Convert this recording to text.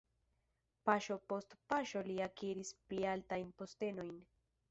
Paŝo post paŝo li akiris pli altajn postenojn.